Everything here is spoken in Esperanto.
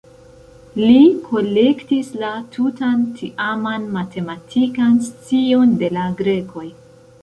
Li kolektis la tutan tiaman matematikan scion de la grekoj.